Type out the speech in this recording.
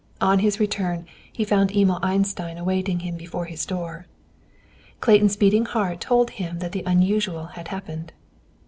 On his return he found Emil Einstein awaiting him before his door. Clayton's beating heart told him that the unusual had happened.